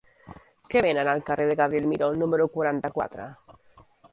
Què venen al carrer de Gabriel Miró número quaranta-quatre?